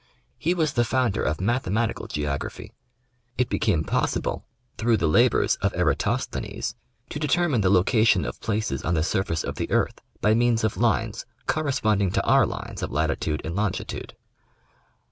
He was the founder of Mathematical Geography; it became pos sible through the labors of Eratosthenes to determine the loca tion of places on the surface of the earth by means of lines cor responding to our lines of latitude and longitude.